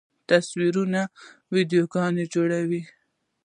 تصویرونه، ویډیوګانې جوړولی